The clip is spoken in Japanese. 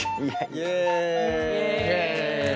イェーイ！